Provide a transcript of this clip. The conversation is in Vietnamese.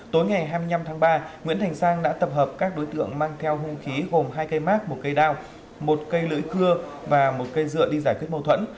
tối ngày hai mươi năm tháng ba nguyễn thành sang đã tập hợp các đối tượng mang theo hung khí gồm hai cây mát một cây đao một cây lưỡi cưa và một cây dựa đi giải quyết mâu thuẫn